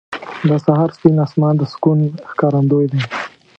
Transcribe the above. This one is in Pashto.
• د سهار سپین اسمان د سکون ښکارندوی دی.